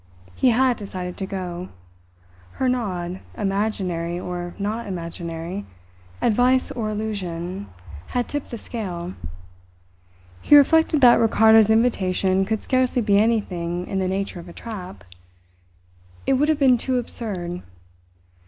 He had decided to go. Her nod, imaginary or not imaginary, advice or illusion, had tipped the scale. He reflected that Ricardo's invitation could scarcely be anything in the nature of a trap. It would have been too absurd.